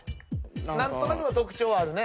何となくの特徴はあるね。